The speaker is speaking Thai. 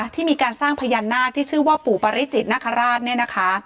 ที่มีการสร้างพญานาคที่ชื่อว่าปู่ปริจิตนคราชเนี่ยนะคะ